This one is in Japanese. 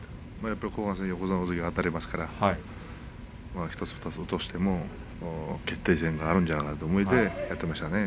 後半戦、横綱大関とあたりますから、１つ２つ落としても決定戦があるんじゃないかという思いでやっていましたね。